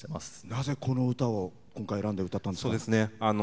なぜ、この歌を今回、選んでやったんですか？